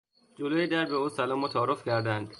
جلو در به او سلام و تعارف کردند.